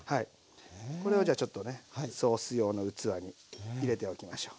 これをじゃちょっとねソース用の器に入れておきましょう。